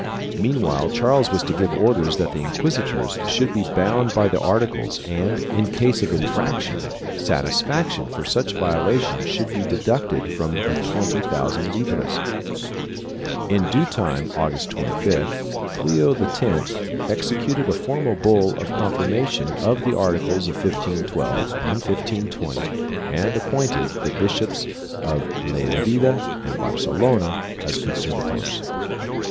Meanwhile Charles was to give orders that the inquisitors should be bound by the articles and, in case of infraction, satisfaction for such violations should be deducted from the twenty thousand libras. In due time, August 25th, Leo X executed a formal bull of confirmation of the articles of 1512 and 1520 and appointed the Bishops of Lerida and Bar celona as conservators.